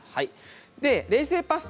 冷製パスタ